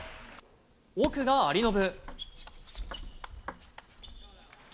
奥が有延。